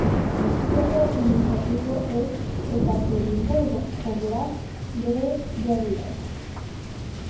Su centro administrativo es Ekaterimburgo, Óblast de Sverdlovsk.